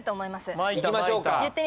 いきましょうか。